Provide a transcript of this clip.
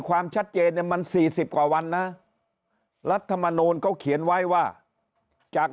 ความชัดเจนเนี่ยมัน๔๐กว่าวันนะรัฐมนูลเขาเขียนไว้ว่าจาก